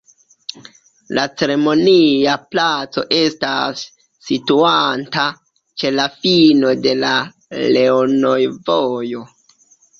La Ceremonia Placo estas situanta ĉe la fino de la Leonoj-Vojo.